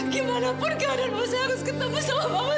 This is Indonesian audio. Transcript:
gimanapun keadaan mama saya harus ketemu sama mama